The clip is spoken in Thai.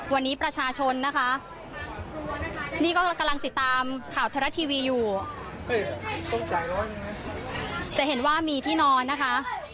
วันนี้ประชาชนนะคะนี่ก็กำลังติดตามข่าวทรัฐทีวีอยู่จะเห็นว่ามีที่นอนนะคะ